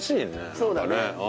そうだね。